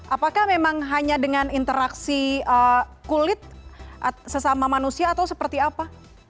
apakah memang hanya dengan interaksi kulit sesama manusia atau seperti apa